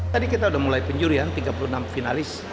tadi kita sudah mulai penjurian tiga puluh enam finalis